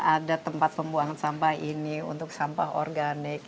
ada tempat pembuangan sampah ini untuk sampah organik